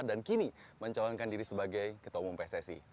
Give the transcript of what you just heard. dan kini mencalonkan diri sebagai ketua umum pssi